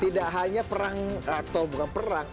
tidak hanya perang atau bukan perang